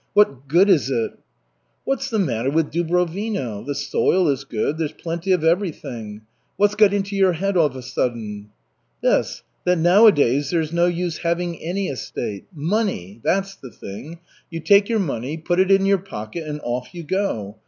"What good is it?" "What's the matter with Dubrovino? The soil is good, there's plenty of everything. What's got into your head of a sudden?" "This, that nowadays there's no use having any estate. Money, that's the thing. You take your money, put it in your pocket and off you go.